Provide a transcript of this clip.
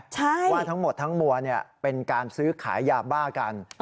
ใช่ว่าทั้งหมดทั้งมวลเป็นการซื้อขายยาบ้ากัน